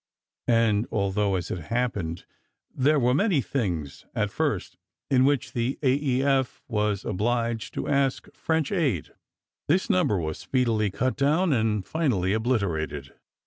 And although, as it happened, there were many things, at first, in which the A. E. F. was obliged to ask French aid, this number was speedily cut down and finally obliterated.